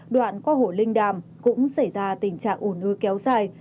đoạn qua hồ linh đàm cũng xảy ra tình trạng ủn ưu kéo dài